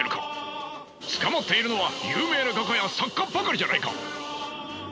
捕まっているのは有名な画家や作家ばかりじゃないか！